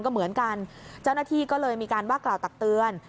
ก็เหมือนกันเจ้าหน้าที่ก็เลยมีการว่ากล่าวตักเตือน